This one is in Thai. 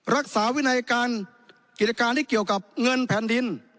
รักษาวินัยการกิจการที่เกี่ยวกับเงินแผ่นดิน